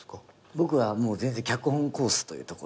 僕は全然脚本コースというとこで。